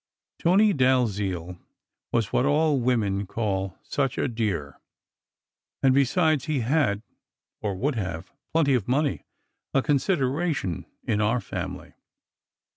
Tony Dalziel was what all women call "such a dear !" and, besides, he had or would have plenty of money, a consideration in our family.